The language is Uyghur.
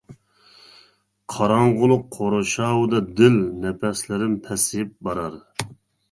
قاراڭغۇلۇق قورشاۋىدا دىل، نەپەسلىرىم پەسىيىپ بارار.